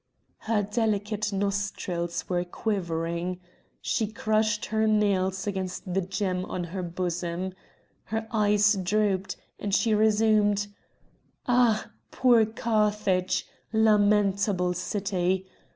Her delicate nostrils were quivering. She crushed her nails against the gems on her bosom. Her eyes drooped, and she resumed: "Ah! poor Carthage! lamentable city!